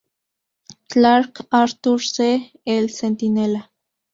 Clarke, Arthur C. "El Centinela".